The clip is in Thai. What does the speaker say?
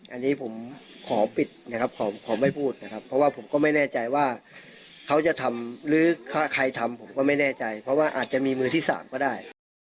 อันนี้ผมขอปิดนะครับขอไม่พูดนะครับเพราะว่าผมก็ไม่แน่ใจว่าเขาจะทำหรือใครทำผมก็ไม่แน่ใจเพราะว่าอาจจะมีมือที่๓ก็ได้